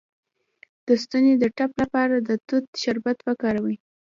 د ستوني د ټپ لپاره د توت شربت وکاروئ